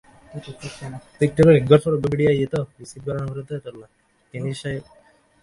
তিনি শায়খ উনায়সির স্মরণাপন্ন হতেন।